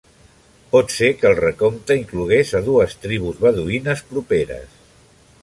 Pot ser que el recompte inclogués a dues tribus beduïnes properes.